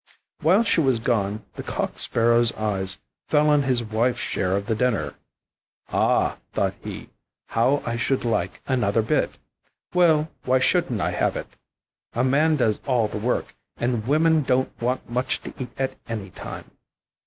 While she was gone the Cock sparrow's eyes fell on his wife's share of the dinner. "Ah," thought he, "how I should like another bit! Well, why shouldn't I have it? A man does all the work, and women don't want much to eat at any time."